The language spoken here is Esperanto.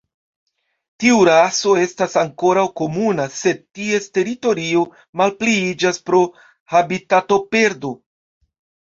Tiu raso estas ankoraŭ komuna, sed ties teritorio malpliiĝas pro habitatoperdo.